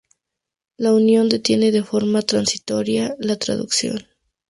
La unión detiene de forma transitoria la traducción.